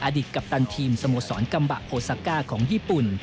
อดีตกัปตันทีมสโมสรกัมบะโฮซาก้าของญี่ปุ่น